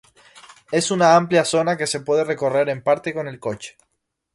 Es una amplia zona que se puede recorrer en parte con el coche.